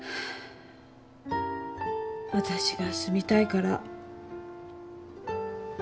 私が住みたいから。